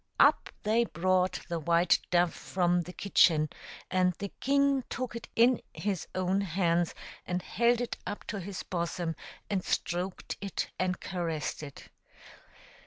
Up they brought the white dove from the kitchen, and the king took it in his own hands and held it up to his bosom, and stroked it and caressed it.